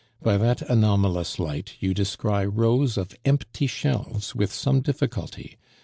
By that anomalous light you descry rows of empty shelves with some difficulty.